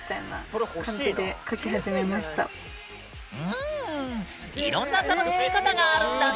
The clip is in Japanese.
うんいろんな楽しみ方があるんだね。